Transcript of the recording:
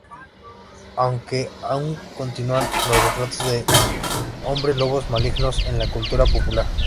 Aunque aún continúan los retratos de hombres lobos malignos en la cultura popular.